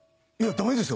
ダメです